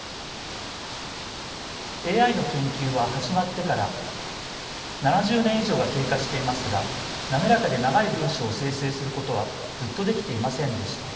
ＡＩの研究は始まってから７０年以上が経過していますが滑らかで長い文章を生成することはずっとできていませんでした。